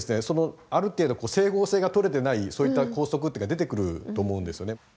そのある程度整合性が取れてないそういった校則っていうのが出てくると思うんですよね。